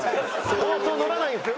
放送乗らないんですよね。